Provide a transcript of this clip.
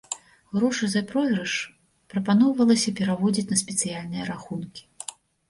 Грошы за пройгрыш прапаноўвалася пераводзіць на спецыяльныя рахункі.